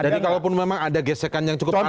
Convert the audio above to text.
jadi kalau memang ada gesekan yang cukup aneh sih